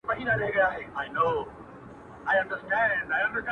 • چي ستا ديدن وي پكي كور به جوړ سـي.